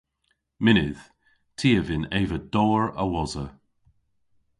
Mynnydh. Ty a vynn eva dowr a-wosa.